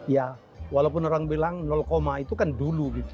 ya walaupun orang bilang koma itu kan dulu gitu